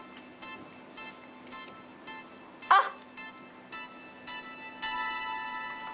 あっ。